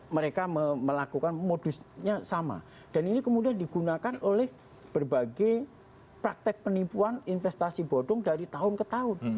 mereka melakukan modusnya sama dan ini kemudian digunakan oleh berbagai praktek penipuan investasi bodong dari tahun ke tahun